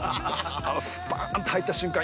スパーンと入った瞬間